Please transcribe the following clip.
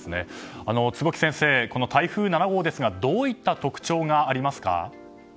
坪木先生この台風７号ですがどういった特徴がありますか。